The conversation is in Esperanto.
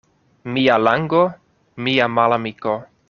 Mia lango — mia malamiko.